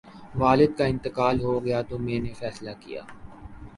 والد کا انتقال ہو گیا تو میں نے فیصلہ کیا